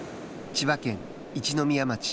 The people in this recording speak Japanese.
千葉県、一宮町。